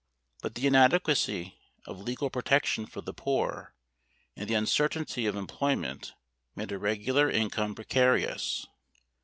But the inadequacy of legal protection for the poor and the uncertainty of employment made a regular income precarious.